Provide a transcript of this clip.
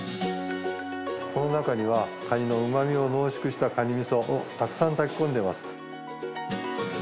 この中にはかにのうまみを濃縮したかにみそをたくさん炊き込んでます。